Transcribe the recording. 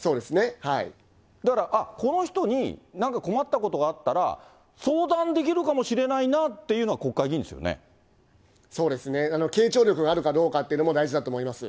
だから、あっ、この人になんか困ったことがあったら、相談できるかもしれないなそうですね、傾聴力があるかどうかというのも大事だと思います。